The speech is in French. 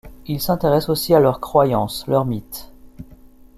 Il s’intéresse aussi à leurs croyances, leurs mythes.